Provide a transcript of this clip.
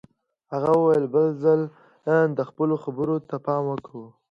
هغه وویل بل ځل دې خپلو خبرو ته پام کوه